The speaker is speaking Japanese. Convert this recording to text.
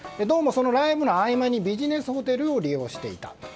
どうもそのライブの合間にビジネスホテルを利用していた。